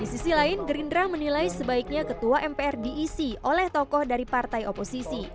di sisi lain gerindra menilai sebaiknya ketua mpr diisi oleh tokoh dari partai oposisi